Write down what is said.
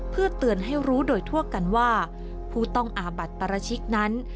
เพื่อเตือนให้รู้โดยทั่วกันว่าผู้ต้องอาบัติปราชิกนั้น